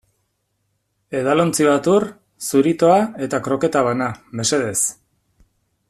Edalontzi bat ur, zuritoa eta kroketa bana, mesedez.